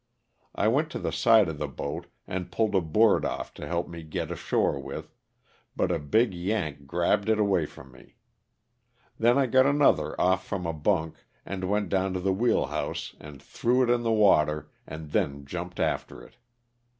I went to the side of the boat and pulled a board off to help me get ashore with, but a big " Yank" grabbed it away from me. Then I got another off from a bunk and went down to the wheelhouse and threw it in the water, and then jumped after it.